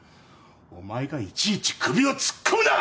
お前がいちいち首を突っ込むな！